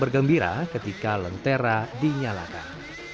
bergembira ketika lentera dinyalakan